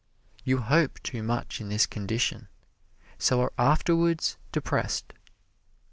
You hope too much in this condition, so are afterwards depressed.